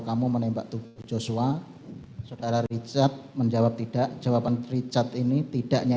kamu menembak tubuh joshua saudara richard menjawab tidak jawaban richard ini tidaknya